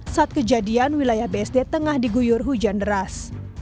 saat kejadian wilayah bsd tengah diguyur hujan deras